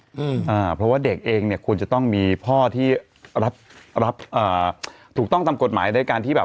อืมอ่าเพราะว่าเด็กเองเนี้ยควรจะต้องมีพ่อที่รับรับเอ่อถูกต้องตามกฎหมายด้วยการที่แบบ